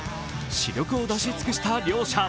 死力を出し尽くした両者。